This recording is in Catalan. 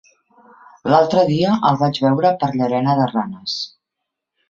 L'altre dia el vaig veure per Llanera de Ranes.